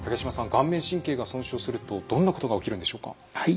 顔面神経が損傷するとどんなことが起きるんでしょうか？